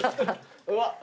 うわ。